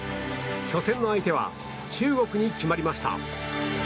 初戦の相手は中国に決まりました。